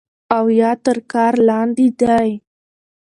او يا تر كار لاندې دی